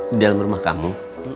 di dalam rumah kamu